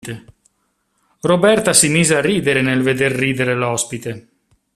Roberta si mise a ridere nel veder ridere l'ospite.